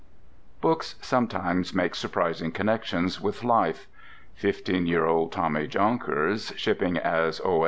Books sometimes make surprising connections with life. Fifteen year old Tommy Jonkers, shipping as O.